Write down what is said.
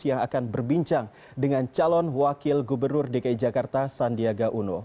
yang akan berbincang dengan calon wakil gubernur dki jakarta sandiaga uno